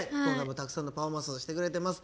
たくさんのパフォーマンスをしてくれてます。